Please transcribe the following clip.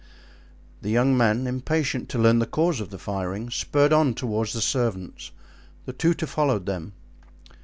The young men, impatient to learn the cause of the firing, spurred on toward the servants. The tutor followed them.